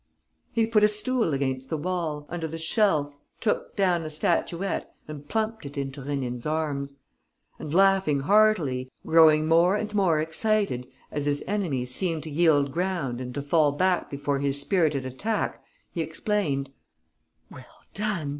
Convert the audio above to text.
He put a stool against the wall, under the shelf, took down a statuette and plumped it into Rénine's arms. And, laughing heartily, growing more and more excited as his enemy seemed to yield ground and to fall back before his spirited attack, he explained: "Well done!